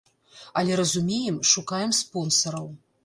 Але разумеем, шукаем спонсараў.